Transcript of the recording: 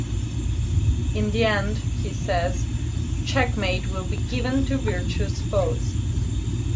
In the end, he says, checkmate will be given to virtue's foes.